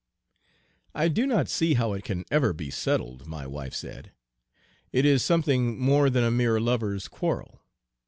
"I do not see how it can ever be settled," my wife said. "It is something more than a mere lovers' quarrel.